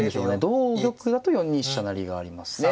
同玉だと４二飛車成がありますね。